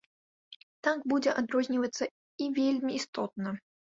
Так, будзе адрознівацца, і вельмі істотна!!!!